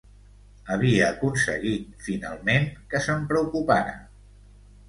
Havia aconseguit, finalment, que se'n preocupara.